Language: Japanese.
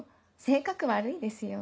性格悪いですよ。